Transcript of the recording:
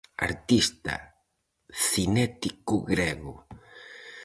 Artista cinético grego.